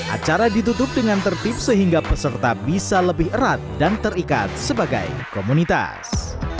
acara ditutup dengan tertib sehingga peserta bisa lebih erat dan terikat sebagai komunitas